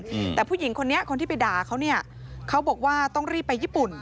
อืมแต่ผู้หญิงคนนี้คนที่ไปด่าเขาเนี้ยเขาบอกว่าต้องรีบไปญี่ปุ่น